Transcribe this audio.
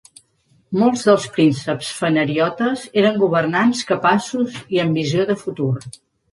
Molts dels prínceps fanariotes eren governants capaços i amb visió de futur.